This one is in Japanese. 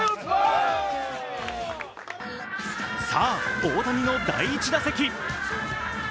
さあ、大谷の第１打席。